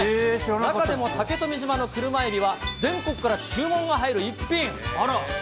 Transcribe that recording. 中でも竹富島の車エビは全国から注文が入る逸品。